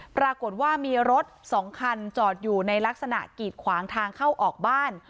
ปรากฏว่ามีรถสองคันจอดอยู่ในลักษณะกีดขวางทางเข้าออกบ้าน